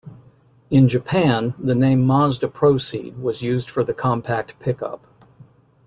In Japan, the name Mazda Proceed was used for the compact pickup.